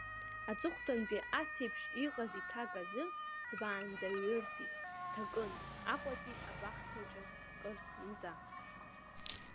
Аҵыхәтәантәи ас еиԥш иҟаз иҭак азы дбаандаҩыртәит, дҭакын Аҟәатәи абахҭаҿы кыр мза.